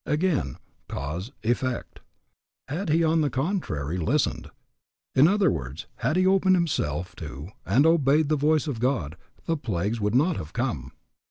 Again, cause, effect. Had he, on the contrary, listened, in other words, had he opened himself to and obeyed the voice of God, the plagues would not have come.